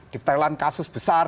di perlahan kasus besar